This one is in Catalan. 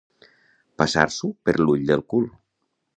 Passar-s'ho per l'ull del cul.